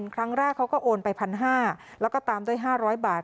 ครั้งแรกเขาก็โอนไป๑๕๐๐แล้วก็ตามด้วย๕๐๐บาท